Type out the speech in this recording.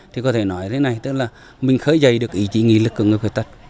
thì có thể nói thế này tức là mình khởi dây được ý chí nghị lực của người khuyết tật